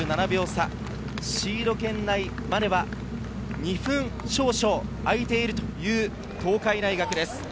シード圏内までは２分少々、開いているという東海大学です。